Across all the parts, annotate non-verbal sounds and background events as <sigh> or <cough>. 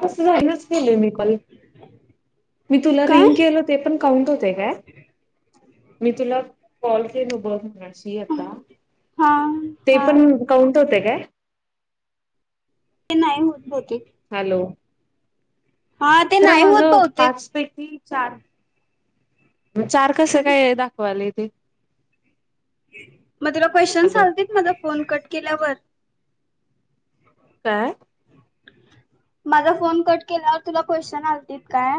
मी call केला नाही मी तुला काय रिंग केलो ते पण काउंट होते काय मी तुला कॉल केला आता हा ते हा पण काउंट होते काय ते नाही होत बहुतेक हॅलो हा ते तर नाही होत माझं पाच बहुतेक पैकी चार कस काय दाखवालं ते मग तुला क हॅलो चालते माझ फोन कट केल्यावर काय माझा फोन कट केल्यावर तुला पैसे आले होते काय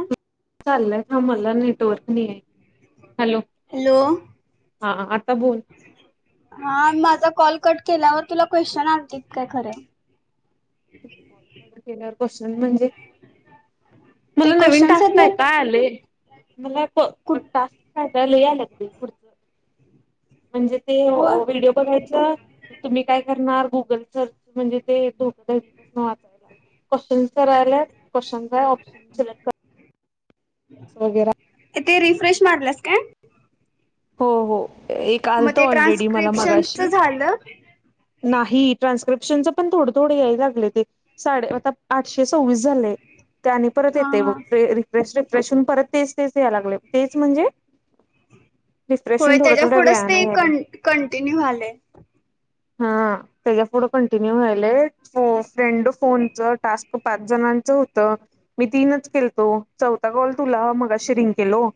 चालतंय मला नेटवर्क नाही आहे हॅलो हॅलो हा बोल हा माझा कॉल कट खरं आहे काय तुझा फोन कट केल्यानंतर पैसे आले होते ते मला नवीन क्वेश्चन्स आहेत टास्क आलाय त्यात ना क्वेश्चन म्हणजे काय आहे मी कुठ टास्क पूर्ण करायला लागले म्हणजे ते व व्हिडिओ बघायचं तुम्ही काय करणार गुगल सर्च म्हणजे ते धोक्याधरीपासून वाचायला लागेल क्वेश्चन करायचे आहे ऑप्शन सिलेक्ट करीत आहे रिफ्रेश केलं काय हो हो एक मग आलत ते ऑलरेडी मला ट्रान्स्क्रिप्शनच मगाशी झालं नाही ट्रान्स्क्रिप्शनच पण थोड थोड या लागले एकसे सव्हवीस झाले रिप्लेस केले की परत हा हा येते क्वेश्चन परत तेच तेच यायला लागले तेच म्हणजे रिफ्रेश होय होऊन थोड्या त्याच्या थोड्या पुढंच वेळाने ते यायला कंटिन्यू झाले हा त्याच्या पुढं कंटिन्यू व्हाले फ्रेंड फोनच टास्क पाच जणां मी तीनच केलंत चौथा तुला सुरू केलं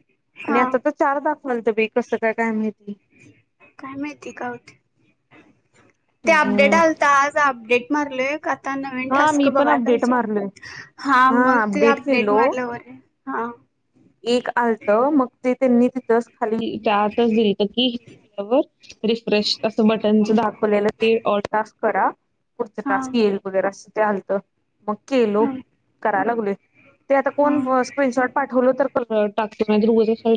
आणि हा चारच दाखवायला लागलं कसं काय काय काय माहिती माहित आहे का ते अपडेट हम्म आलत आज अपडेट मारलोय आता नवीन हा टास्क मी पण बघायला अपडेट पाहिजे मारलोय हा मग ते अपडेट मारल्यावर एक आलत मग ते त्यांनी तिथच खाली त्या आतच दिली तर की हे झाल्यावर रिफ्रेश असं बटनच दाखवलेलं ते रिफ्रेश करा पुढचा हा टास्क येईल असं आलं होतं हा आता हा कोण स्क्रीनशॉट पाठवलं तर तास का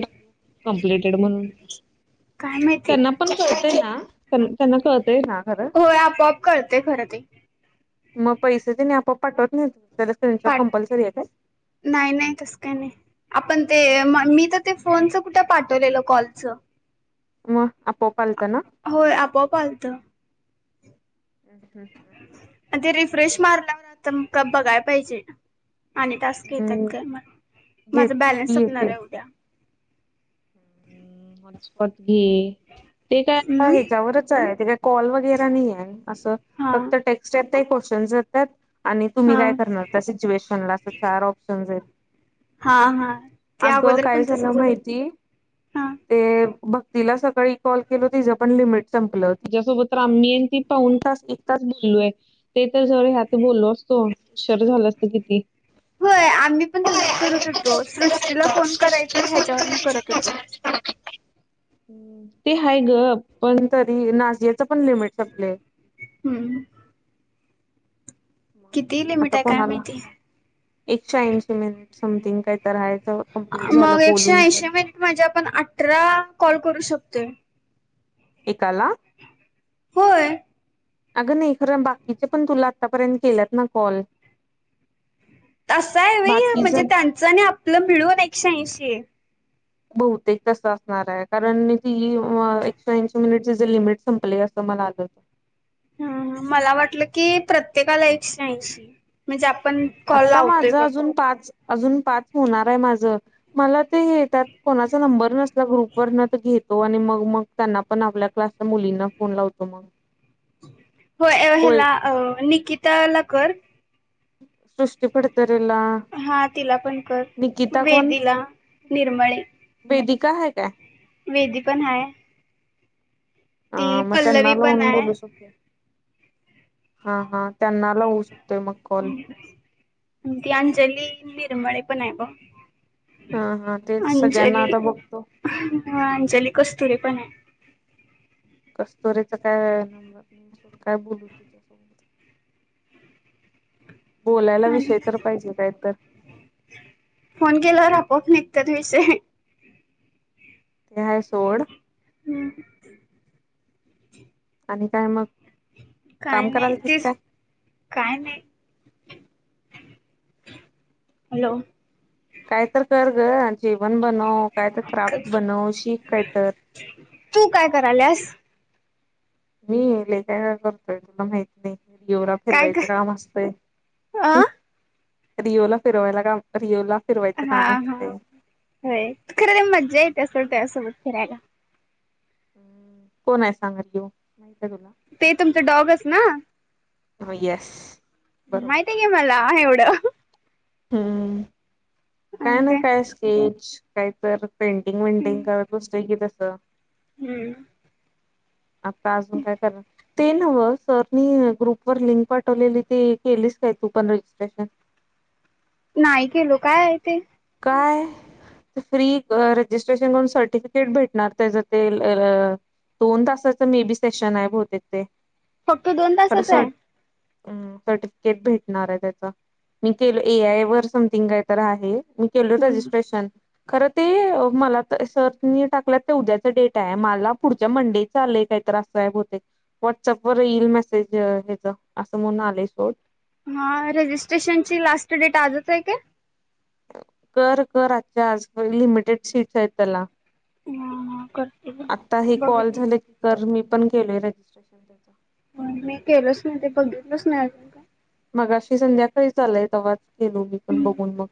कंप्लिट केला म्हणून काय माहिती त्यांना पण कळतं ना त्यांना कळत हो आपोआप कळते खरं ते. मग पैसे ते नी आपोआप पाठवत नाहीत. त्याला स्क्रीनशॉट कंपल्सरी आहे काय पाठवत नाही-नाही तस काय नाही. आपण. ते मी तर ते फोनच कुठे पाठवलेलं कॉलचं. मग आपोआप आलत ना. होय आपोआप आलत. हम्म. हम्म. हम्. रीफ्रेश मारल्या नंतर का बघाय पाहिजे. आणि टास्क येतात हम्म का. म माझं येते बॅलन्स की येते सपणार आहे उद्या. हम् <unintelligible> ही. ते काय हम्म ह्याच्यावरच आहे. ते काय कॉल वगैरे नाही आहे असं हा फक्त टेक्स्ट टाइप का क्वेश्चन् येतात. आणि तुम्ही काय हा करणार त्या सिच्युएशनला अस चार ऑप्शन्स आहेत. हा हा ते अगं अगोदर काय पण झालं तसच होत माहिती. हा भाईनीला सकाळी कॉल किलो तिज पण लिमिट संपल. तिच्या सोबत. मी आणि ती पाऊण तास. एक तास बोललोय. ते तर जर ह्यात बोललो असतो. उशीर झाला असत किती. होय <inaudible> आम्ही पण तसच करत होतो. सृष्टीला फोन करायच ह्याच्यावरून करत होतो. ते हाय ग पण तरी नाझियाचा. पण लिमिट सपलय. हम्म किती लिमिट आता आहे काय कोणाला माहिती एकशे ऐंशी मिनिट समथिंग. काही तर हाय तर कंप्लीट झालं मग एकशे बोलून पण ऐंशी मिनिट म्हणजे आपण अठरा कॉल करू शकतोय. एकाला. होय. अगं नाही खरं बाकीचे पण तुला आत्तापर्यंत केलंत ना कॉल. आसं आहे व्हय हे बाकीच म्हणजे त्यांचं आणि आपलं मिळून एकशे ऐंशी. बहुतेक तस असणार आहे. कारण मी ती एकशेऐशी मिनिटची जर लिमिट संपली अस मला आलं. हम्म हम्म, मला वाटलं की प्रत्येकाला एकशे ऐंशी म्हणजे आ पण कॉल आता लावतोय माझं बघ अजून पाच अजून पाच होणार आहे माझं, मला तेे त्यात कोणाचा नंबर नस त ग्रुप वरणं तर घेत तो आणि मग मग त्यांना पण आपल्या क्लासच्या मुलींना फोन लावतो मग. होय, अ कोळी हेला अ निकिताला कर. सृष्टी पडतंय. ला, हा तिला पण कर निकिता कोण? वेदीला निर्मळे वेदिक का आहे काय? वेदिका नाय. हा मग त्यांना पण लावून आहे बघू शकतो. हा हा त्यांना लाऊ शकतो. ती अंजली निर्मळे पण आहे बघ. हा हा तेच सगळ्यांना अंजली आता बघतो. अंजली कस्तुरी पण आहे कस्तुरीचा काय नंबर नाय सोड काय बोलू तिच्यासोबत. <inaudible> बोलायला हम्म, विषय तर पाहिजे काय तर फोन केल्यावर आपोआप त्यातलीच आहे. ते हाय सोड. हम्म आणि काय मग? काय काम नाही, कराल तीस तेच काय? काय नाही. हॅलो! काय तर कर ग जेवण बनव काय तर क्राफ्ट बनव शीख काय तर! <inaudible> तू काय करायलीयास? मी लेकाय करतोय तुला माहत नाही! येवरा काय फिरवायचं कर काम असतंय. अ रिओला फिरवायला का रिओला फिरवायचं हा काम हा असते. खर तर मज्जा येत त्या सोबत फिरायला. हम् कोण आहे सांगल येऊ ते तुमचं डॉगस ना? हो येस. बरोबर माहतीय की मला एवढं हम्म काय आणि ना ते काय स्केच काही तर पेंटिंग वेंटिंग करत बसतो की तस! हम्म. आता अजून काय तर ते नवं सरनी ग्रुपवर लिंक पाठवलेली ते केलीस काय तू पण रजिस्ट्रेशन? <inaudible> नाही केलो, काय आहे ते? काय फ्री रजिस्ट्रेशन करून सर्टिफिकेट भेटणार त्याच ते दोन तासाचं मे बी सेशन आहे बहुतेक ते! फक्त दोन तासच आहे? खरं सर्टिफिकेट भेटणार आहे त्याचा, मी केलो ए आय वर समथिंग कायतर आहे. मी केलं हम्म रजिस्ट्रेशन. खरं ते मला तर सरनी टाकलंत ते उद्याचा डेट आहे, मला पुढच्या मंडेचं आलंय काय तर अस आहे भवते, व्हॉटप वर येईल मेसेज अस म्हणून आलाय आलाय सोड! हा रजिस्ट्रेशनची लास्ट डेट आजच आहे का? कर कर आजच्या आज लिमिटेड सीट्स आहेत त्याला. हा करते ग आता हे कॉल बघितली झालं की कर मी पण केलय रजिस्ट्रेशन त्याच. मी केलंच नाही ते बघितलंच नाही अजून का! मगाशी संध्याकाळी च आलयत तवाच गेलो मी पण बघून मग.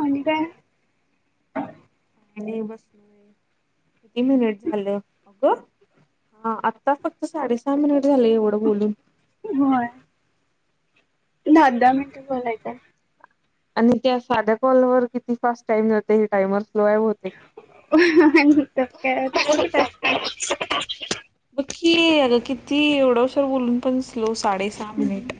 आणि काय? का नाही बसलोय, किती मिनिट झालं अगं? हा आता फक्त साडे सहा मिनिट झाले एवढं बोलून! होय. दहा दहा मिनट बोलायच आहे. आणि त्या साध्या कॉल वर किती फास्ट टाइम जाते आणि हे टाइमर स्लो आहे बहुतेक. तर काय तसं कुठं असतंय. बग की अग किती एवढा उशीर बोलून पण स्लो साडे सहा मिनिट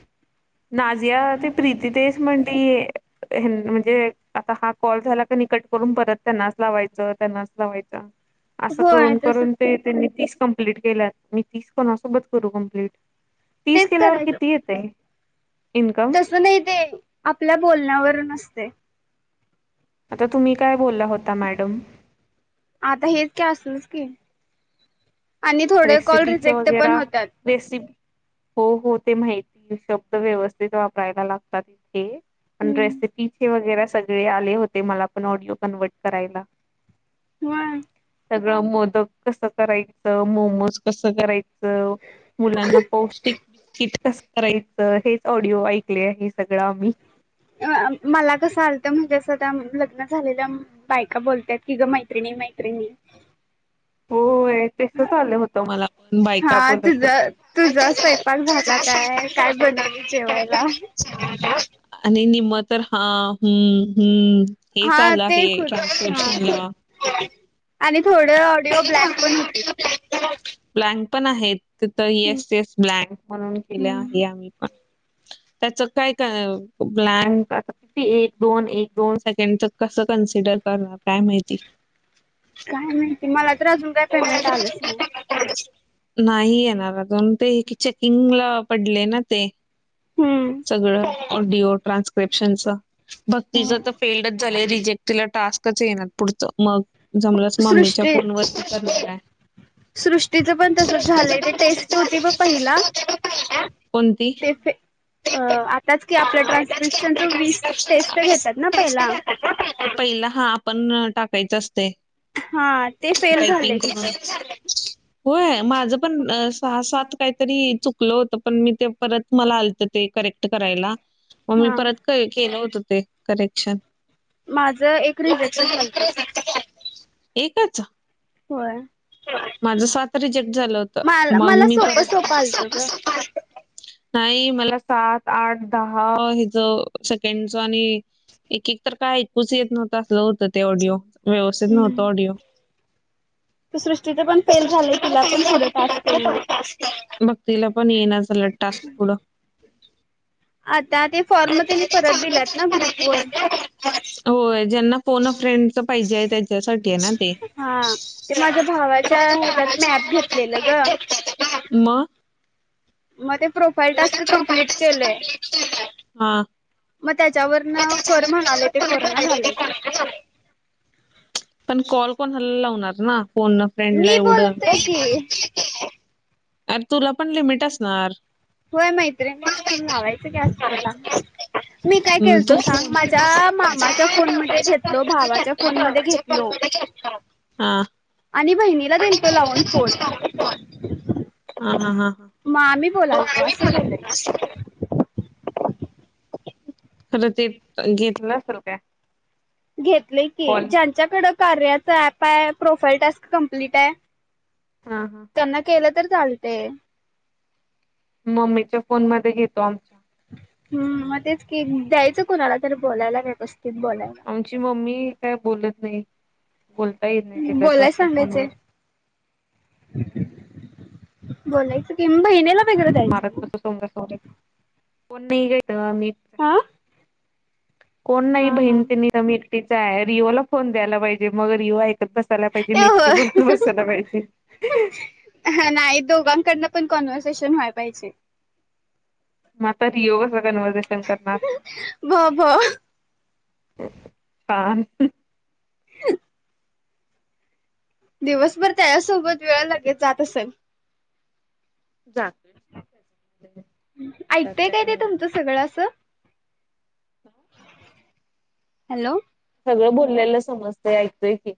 नाजिया ते प्रीती तेच म्हणतीये. म्हणजे आता हा कॉल झाला का कट करून परत त्यांनाच लावायचं त्यांनाच लावायच. असं होय करून तस करून ते त्यांनी तीस कंप्लीट केलं मी तीस कोणासोबत करू कमप्लीट? तीस केल्यावर किती येतय? इन्कम? तस नाही ते आपल्या बोलण्यावर असतय. आता तुम्ही काय बोलला होता मॅडम? आता हेच की असलसच की! आणि थोडे कॉल रेसिपीच रिजेक्ट पण वगैरा होतात. रेसिपी हो हो ते माहिती शब्द व्यवस्थित वापरायला लागतात इथे. पण रेसिपी चे वगैरे सगळे आले होते मला पण ऑडिओ कन्वर्ट करायला. व्हय. सगळं मोदक कसं करायचं, मोमोज कसं करायचं? च मुलांना पौष्टिक बिस्कीट कसं करायचं? हेच ऑडिओ ऐकले आहे. सगळं आम्ही. अ मला कसं आलतं म्हणजे त त्या लग्न झालेल्या बायका बोलत्यात की ग मैत्रिणी मैत्रिणी. होय. तसचं आलं होतं मला पण बायका हा तुझ बोलत तुझा होत्या स्वयंपाक झाला काय काय <unintelligible> बनवली जेवायला. आणि निम्म तर हा, हम्म, हम्म. हे हा चालं ते आहे खुद ट्रान्सक्रिप्शन ला. थोड ऑडिओ ब्लँक पण होते. ब्लॅक ब्लँक पण आहेत, तर एस एस ब्लँक म्हणून केले आहे आम्ही पण. <inaudible> त्याचं का काय ब्लँक आता किती एक दोन एक दोन सेकंडचं कसं कन्सिडर करणार काय माहिती? काय माहिती? मला तर अजून काय पेमेंट आलंच नाही. नाही येणार, दोन ते चेकिंग ला पडले ना ते हम्म. सगळं ऑडिओ ट्रान्स्क्रिप्शनचं, भक्तीचं तर फेल्डच झालंय रिज जे तिला टास्कच येणार पुढचं, मग जमलच मम्मीच्या सृष्टी फोनवरती करणार आहे. सृष्टीचं पण तसच सृष्टीचं झालंय, ते पण तसंच टेस्ट झालं होती ब ते पहिला शिस्त होते बघ पहिला कोणती? ते फे ते अ प- आताच की, आपल्या अं, एकच की आपल्या ट्रान्स्क्रिप्शनचं वीस ट्रान्सक्रिप्शनचा टेस्ट घेतात ना टेस्ट पहिला? जातात ना पहिला पहिला हा आपण टाकायचा असते, हा ते फेल झालंय टायपिंग करून. तिथं <unintelligible> होय. माझं पण सहा सात काहीतरी चुकलं होतं पण मी ते परत मला आलतत. करेक्ट करायला. मग मी हा परत केलं होतं ते करेक्शन. माझं एक रिजेक्ट माझं एक झालत. रिझल्ट एकच. व्हयं. माझं सात रिजेक्ट झालं होत. मग मला मी सोपं सोपं आलत ग <unintelligible> नाही. मला सात, आठ, दहा हिच सेकंडच आणि एकेक तर काय ऐकुचं येत नव्हतं असलं होतं ते ऑडिओ व्यवस्थित नव्हतं हम्म ऑडिओ. <unintelligible> सृष्टीच पण फेल झालयं तिला पण थोडं टास्क यिना. भक्तिला पण इना झाल्यात टास्क पुढं. आता ते फॉर्म त्यांनी परत दिल्यात ना ग्रुप वर. होय. ज्यांना फोन अ फ्रेंडच पाहिजे हाय त्याच्या - - साठी हेना ते. हा ते माझ्या भावाच्या ह्याच्यात मॅप घेतलेलं ग <inaudible> म म ते प्रोफाईल टास्क कंम्प्लीट केलोय. हां. म त्याच्यावरन कर म्हणालोय ते करना झालय की पण कॉल कोणाला लावणार ना. फोन अ फ्रेंडला मी एवढं. बोलतोय की अर तुला पण लिमिट असणार. होय. मैत्रिणीसनी लावायचं कि <unintelligible> मी काय हम्म, केलतो तू सांग. फोन माझ्या मामाच्या फोन मध्ये घेतलो. भावाच्या फोन मध्ये घेत लो हा आणि बहिणि ला दिलतो लावून फोन. हा हा हा हा. म आम्ही बोलाल तो असं केलंय. खरं ते घेतलं असेल काय? घेतले की कॉल ज्यांच्याकड कार्याच ऍप आहे प्रोफाईल टास्क कम्प्लीट आहे हा हा त्यांना केलं तर चालते मम्मीच्या फोन मध्ये घेतो आमच्या हम्म मग तेच की द्यायचं कुणाला तर बोलायला का बसत आमची मम्मी काय बोलत नाही बोलता येत नाही तिला बोलाय जास्त फोनवर सांगायचं बोलायचं किंब येणेला मारज बस स सॉरी कोण नाही घय मी <inaudible> हा कोण नाही हा बहीण हा. मी एकटीचा आहे रिओला फोन द्यायला पाहिजे मग रिओये बसायला पाहिजे ए मिटी एकटी हो बोलूतच बसते त्या बाईशी <unintelligible> हाय दोघांकडन पण कॉन्वर्सेशन व्हाय पाहिजे म आता रियओ कस कन्व्हर्सेशन करणार भ भ का ह <unintelligible> दिवसभर त्याच्या सोबत वेळ लगेच जात असेल जातोय त्यात ऐकताय काय ते नाही तुमचं सगळं असं हॅलो सगळं बोलल्याला समजत ऐकोतोय ते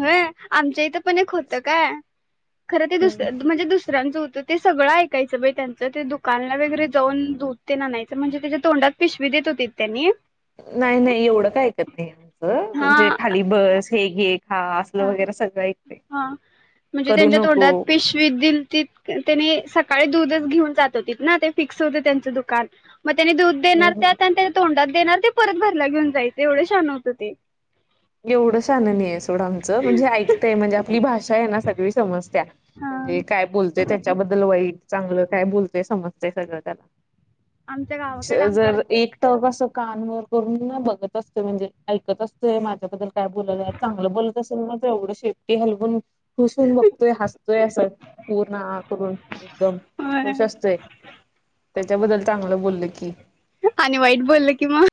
हो आमच्या इथं पण एक होत काय खरं ते दुसरा च म्हणजे दुसऱ्यांच तर ते सगळं ऐकायचं बाई त्यांचं ते दुकानला वगरे जाऊ दुध ते आनायचं म्हणजे त्याच्या तोंडात पिशवीत देत होते तेनी नाही नाही एवढं का ऐकत नाही आमच हा म्हजे खाली बस हे घे पाचला हा वगैरे सगळे हा म्हणजे त्यांच्या तोंडात पेशवी दिलती त्यांनी सकाळी दूधच घेऊन जात होतीना ते फिक्स होती त्यांच दुकान मग त्यानी दूध हम्म देणार हम्म तर त्याच्या तोंडात देणार ते परत घरला घेऊन जायच एवढं शाहन होतं ते एवढं शाहन नाही आहे सोडं आमचं म्हणजे ऐकतय म्हणजे आपली भाषा आहे ना सगळी समजत्या हा म्हणजे काय बोलतय त्याच्याबद्दल वाईट चांगलं काय बोलतय समजतय सगळं त्याला आमच्या स गावाकडे आमच्या जर एक टक अस कान वर करून बघत असते म्हणजे ऐकत असते माझ्याबद्दल काय बोलायला चांगलं बोलत असेल ना ते एवढं सेफ्टी हलवून खुश होऊन बघतोय हसतोय असं पूर्ण आ करून एकदम खुश होय असतोय त्याच्याबद्दल चांगलं बोलल की मी वाईट बोलले की मग